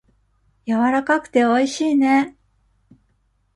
やわらかくておいしいね。